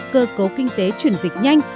cơ cấu kinh tế chuyển dịch nhanh